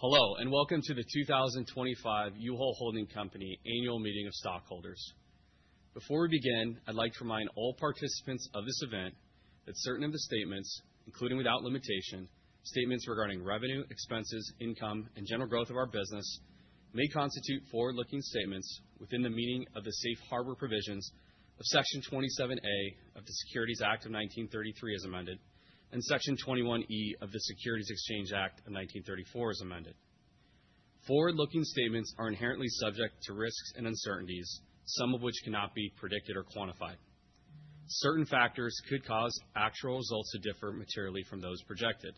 Hello and welcome to the 2025 U-Haul Holding Company Annual Meeting of Stockholders. Before we begin, I'd like to remind all participants of this event that certain of the statements, including without limitation, statements regarding revenue, expenses, income, and general growth of our business may constitute forward-looking statements within the meaning of the Safe Harbor provisions of Section 27A of the Securities Act of 1933 as amended, and Section 21E of the Securities Exchange Act of 1934 as amended. Forward-looking statements are inherently subject to risks and uncertainties, some of which cannot be predicted or quantified. Certain factors could cause actual results to differ materially from those projected.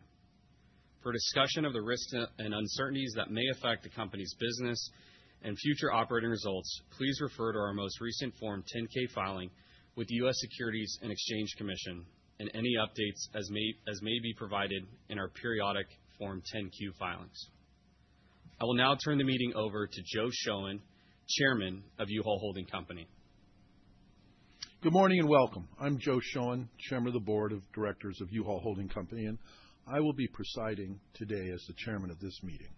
For discussion of the risks and uncertainties that may affect the company's business and future operating results, please refer to our most recent Form 10-K filing with the U.S. Securities and Exchange Commission and any updates as may be provided in our periodic Form 10-Q filings. I will now turn the meeting over to Joe Shoen, Chairman of U-Haul Holding Company. Good morning and welcome. I'm Joe Shoen, Chairman of the Board of Directors of U-Haul Holding Company, and I will be presiding today as the Chairman of this meeting.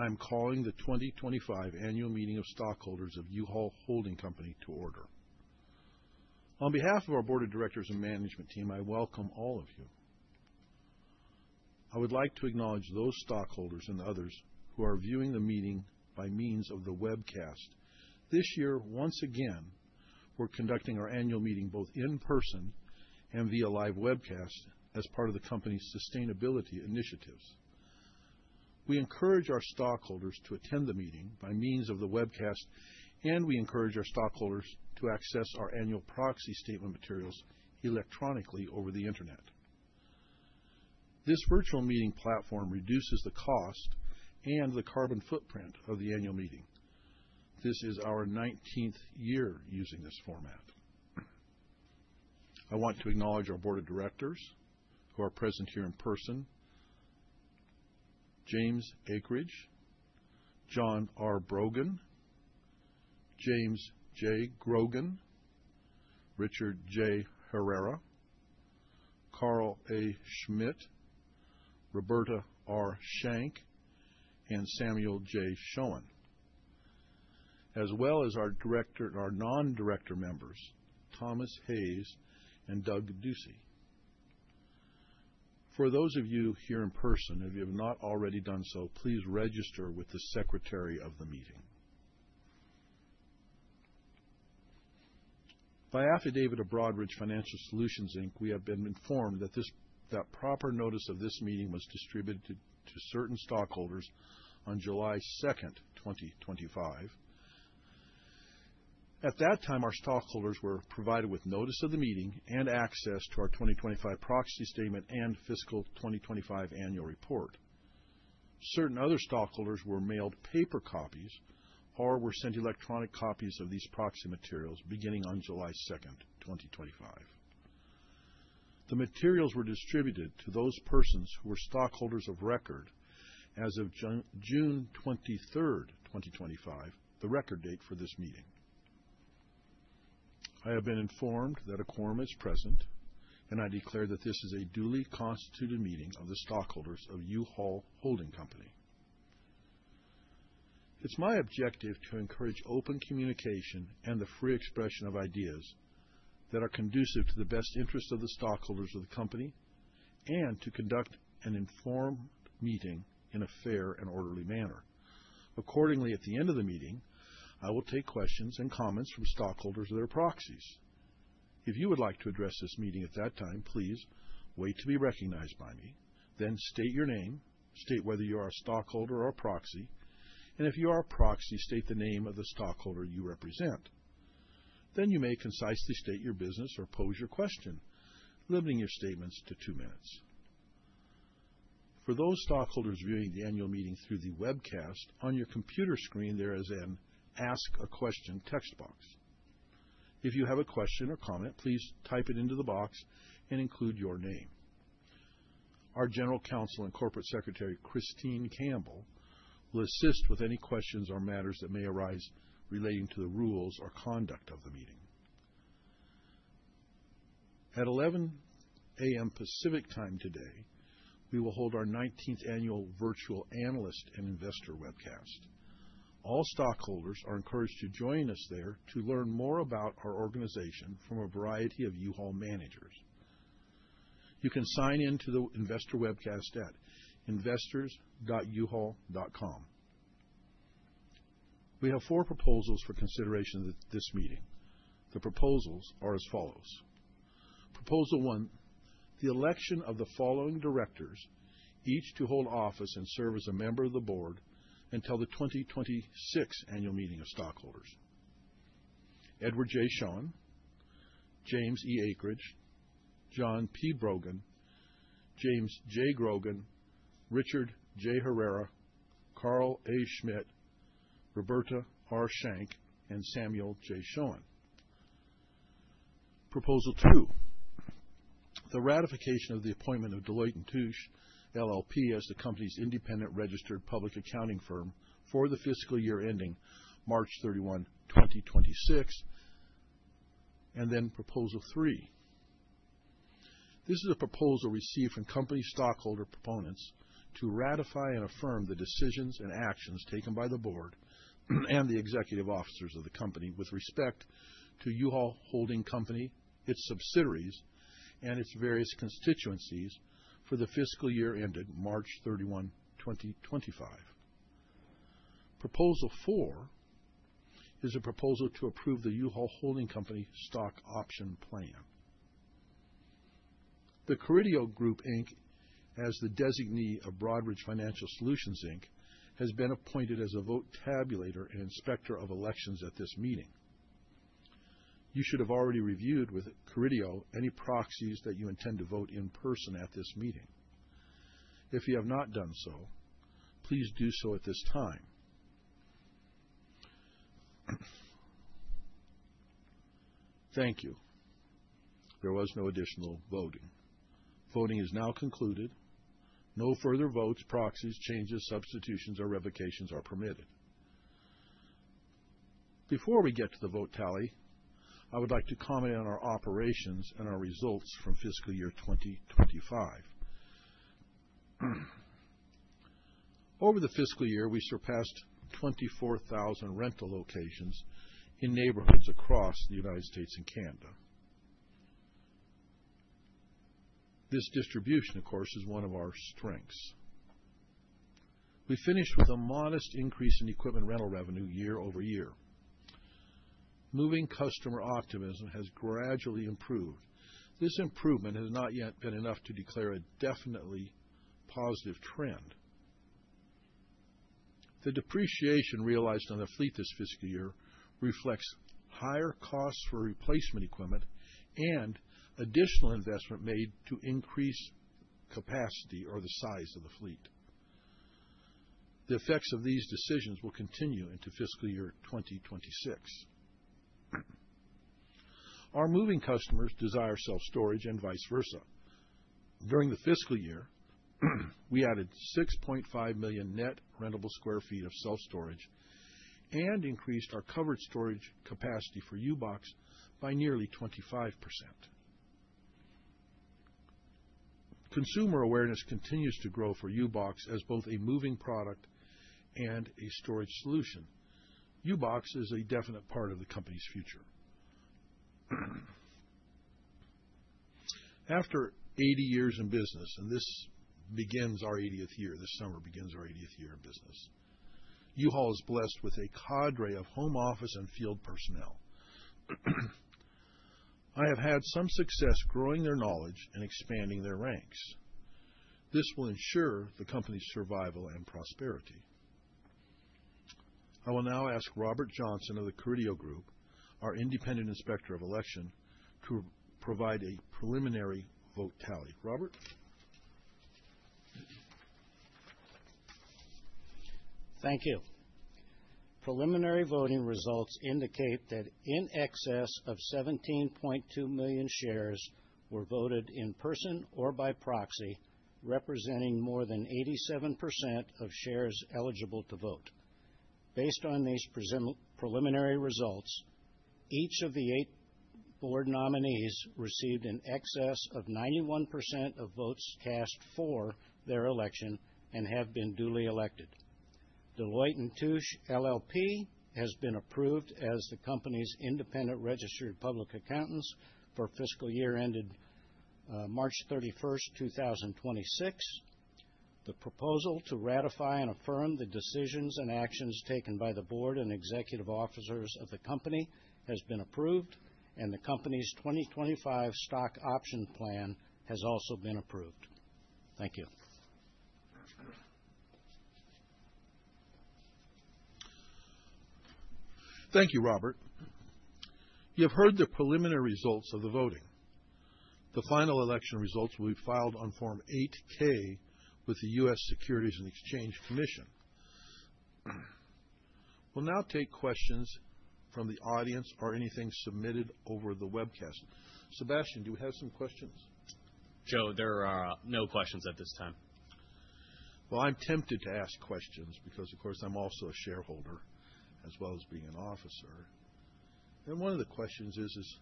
I am calling the 2025 Annual Meeting of Stockholders of U-Haul Holding Company to order. On behalf of our Board of Directors and Management Team, I welcome all of you. I would like to acknowledge those stockholders and others who are viewing the meeting by means of the webcast. This year, once again, we're conducting our annual meeting both in person and via live webcast as part of the company's sustainability initiatives. We encourage our stockholders to attend the meeting by means of the webcast, and we encourage our stockholders to access our annual proxy statement materials electronically over the internet. This virtual meeting platform reduces the cost and the carbon footprint of the annual meeting. This is our 19th year using this format. I want to acknowledge our Board of Directors who are present here in person: James Akeridge, John R. Brogan, James J. Grogan, Richard J. Herrera, Carl A. Schmidt, Roberta R. Schenk, and Samuel J. Shoen, as well as our non-director members, Thomas Hayes and Doug Ducey. For those of you here in person, if you have not already done so, please register with the Secretary of the meeting. By affidavit of Broadridge Financial Solutions Inc., we have been informed that proper notice of this meeting was distributed to certain stockholders on July 2nd, 2025. At that time, our stockholders were provided with notice of the meeting and access to our 2025 proxy statement and fiscal 2025 annual report. Certain other stockholders were mailed paper copies or were sent electronic copies of these proxy materials beginning on July 2nd, 2025. The materials were distributed to those persons who were stockholders of record as of June 23rd, 2025, the record date for this meeting. I have been informed that a quorum is present, and I declare that this is a duly constituted meeting of the stockholders of U-Haul Holding Company. It's my objective to encourage open communication and the free expression of ideas that are conducive to the best interests of the stockholders of the company and to conduct an informed meeting in a fair and orderly manner. Accordingly, at the end of the meeting, I will take questions and comments from stockholders or their proxies. If you would like to address this meeting at that time, please wait to be recognized by me, then state your name, state whether you are a stockholder or a proxy, and if you are a proxy, state the name of the stockholder you represent. Then you may concisely state your business or pose your question, limiting your statements to two minutes. For those stockholders viewing the annual meetings through the webcast, on your computer screen, there is an Ask a Question text box. If you have a question or comment, please type it into the box and include your name. Our General Counsel and Corporate Secretary, Christine Campbell, will assist with any questions or matters that may arise relating to the rules or conduct of the meeting. At 11:00 A.M. Pacific Time today, we will hold our 19th annual virtual analyst and investor webcast. All stockholders are encouraged to join us there to learn more about our organization from a variety of U-Haul managers. You can sign in to the investor webcast at investors.uhall.com. We have four proposals for consideration at this meeting. The proposals are as follows: Proposal one, the election of the following directors, each to hold office and serve as a member of the board until the 2026 annual meeting of stockholders: Edward J. Shoen, James E. Akeridge, John P. Brogan, James J. Grogan, Richard J. Herrera, Carl A. Schmidt, Roberta R. Schenk, and Samuel J. Shoen. Proposal two, the ratification of the appointment of Deloitte & Touche LLP as the company's independent registered public accounting firm for the fiscal year ending March 31st, 2026. Proposal three is a proposal received from company stockholder proponents to ratify and affirm the decisions and actions taken by the board and the executive officers of the company with respect to U-Haul Holding Company, its subsidiaries, and its various constituencies for the fiscal year ending March 31, 2025. Proposal four is a proposal to approve the U-Haul Holding Company stock option plan. The Caridio Group, Inc. as the designee of Broadridge Financial Solutions Inc. has been appointed as a vote tabulator and inspector of elections at this meeting. You should have already reviewed with Caridio any proxies that you intend to vote in person at this meeting. If you have not done so, please do so at this time. Thank you. There was no additional voting. Voting is now concluded. No further votes, proxies, changes, substitutions, or revocations are permitted. Before we get to the vote tally, I would like to comment on our operations and our results from fiscal year 2025. Over the fiscal year, we surpassed 24,000 rental locations in neighborhoods across the United States and Canada. This distribution, of course, is one of our strengths. We finished with a modest increase in equipment rental revenue year-over-year. Moving customer optimism has gradually improved. This improvement has not yet been enough to declare a definitely positive trend. The depreciation realized in the fiscal year reflects higher costs for replacement equipment and additional investment made to increase capacity or the size of the fleet. The effects of these decisions will continue into fiscal year 2026. Our moving customers desire self-storage and vice versa. During the fiscal year, we added 6.5 million net rentable square feet of self-storage and increased our coverage storage capacity for U-Box by nearly 25%. Consumer awareness continues to grow for U-Box as both a moving product and a storage solution. U-Box is a definite part of the company's future. After 80 years in business, and this begins our 80th year, this summer begins our 80th year in business, U-Haul is blessed with a cadre of home office and field personnel. I have had some success growing their knowledge and expanding their ranks. This will ensure the company's survival and prosperity. I will now ask Robert Johnson of The Caridio Group, our independent inspector of elections, to provide a preliminary vote tally. Robert? Thank you. Preliminary voting results indicate that in excess of 17.2 million shares were voted in person or by proxy, representing more than 87% of shares eligible to vote. Based on these preliminary results, each of the eight board nominees received in excess of 91% of votes cast for their election and have been duly elected. Deloitte & Touche LLP has been approved as the company's independent registered public accountants for fiscal year ended March 31st, 2026. The proposal to ratify and affirm the decisions and actions taken by the board and executive officers of the company has been approved, and the company's 2025 stock option plan has also been approved. Thank you. Thank you, Robert. You have heard the preliminary results of the voting. The final election results will be filed on Form 8-K with the U.S. Securities and Exchange Commission. We'll now take questions from the audience or anything submitted over the webcast. Sebastien, do we have some questions? Joe, there are no questions at this time. I'm tempted to ask questions because, of course, I'm also a shareholder as well as being an officer. One of the questions is,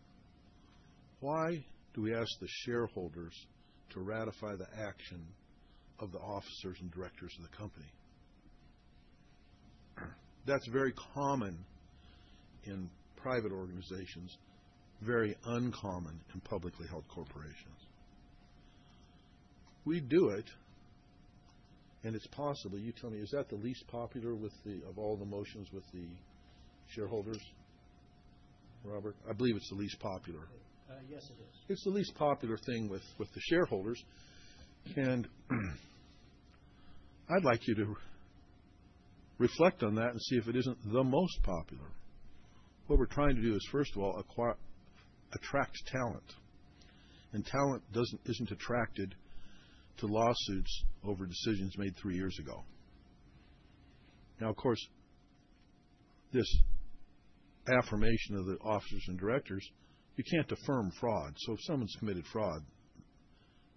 why do we ask the shareholders to ratify the action of the officers and directors of the company? That's very common in private organizations, very uncommon in publicly held corporations. We do it, and it's possible. You tell me, is that the least popular of all the motions with the shareholders? Robert, I believe it's the least popular. Yes, it is. It's the least popular thing with the shareholders. I'd like you to reflect on that and see if it isn't the most popular. What we're trying to do is, first of all, attract talent. Talent isn't attracted to lawsuits over decisions made three years ago. Of course, this affirmation of the officers and directors, you can't affirm fraud. If someone's committed fraud,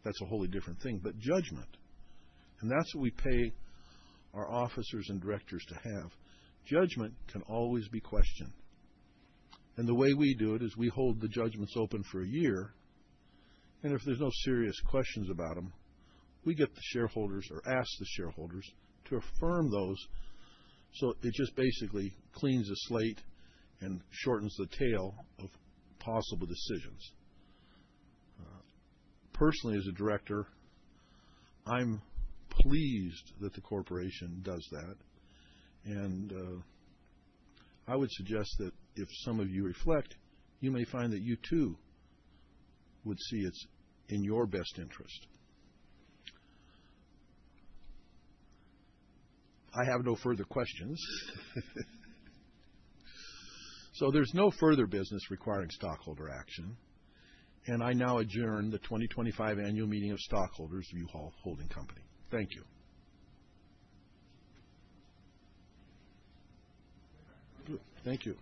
that's a wholly different thing. Judgment, and that's what we pay our officers and directors to have. Judgment can always be questioned. The way we do it is we hold the judgments open for a year. If there's no serious questions about them, we get the shareholders or ask the shareholders to affirm those. It just basically cleans the slate and shortens the tail of possible decisions. Personally, as a director, I'm pleased that the corporation does that. I would suggest that if some of you reflect, you may find that you too would see it in your best interest. I have no further questions. There's no further business requiring stockholder action. I now adjourn the 2025 Annual Meeting of Stockholders of U-Haul Holding Company. Thank you. Thank you.